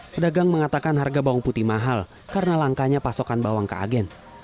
pedagang mengatakan harga bawang putih mahal karena langkanya pasokan bawang ke agen